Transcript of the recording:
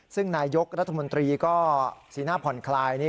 ซึ่งนายกรัฐมนตรีก็สีหน้าผ่อนคลาย